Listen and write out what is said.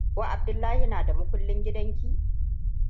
Ko Abdullahi na da makullin gidanki?